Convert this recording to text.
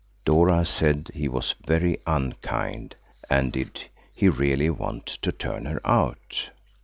Dora said he was very unkind, and did he really want to turn her out?